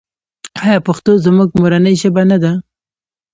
آیا پښتو زموږ مورنۍ ژبه نه ده؟